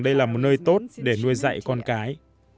đây là một nơi tốt để nuôi dạy con cái